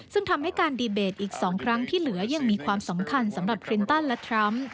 ซึ่งทำให้การดีเบตอีก๒ครั้งที่เหลือยังมีความสำคัญสำหรับคลินตันและทรัมป์